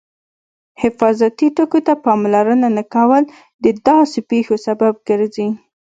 حفاظتي ټکو ته پاملرنه نه کول د داسې پېښو سبب ګرځي.